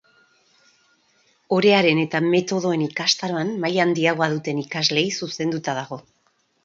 Orearen eta metodoen ikastaroan maila handiagoa duten ikasleei zuzenduta dago.